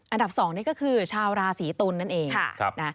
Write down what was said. อันดับ๒นี่ก็คือชาวราศีตุลนั่นเอง